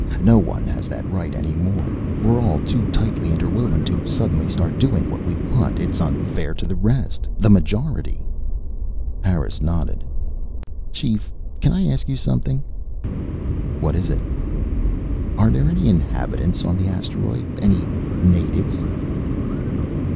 No one has that right anymore. We're all too tightly interwoven to suddenly start doing what we want. It's unfair to the rest, the majority." Harris nodded. "Chief, can I ask you something?" "What is it?" "Are there any inhabitants on the asteroid? Any natives?"